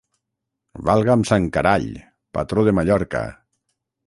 Valga'm sant Carall, patró de Mallorca!